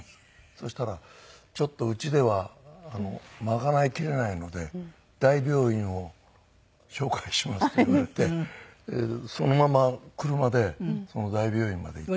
そしたらちょっとうちでは賄いきれないので大病院を紹介しますと言われてそのまま車で大病院まで行って。